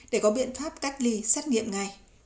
để có biện pháp cách ly xét nghiệm ngay